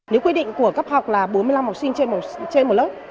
nếu quy định của cấp học là bốn mươi năm học sinh trên một lớp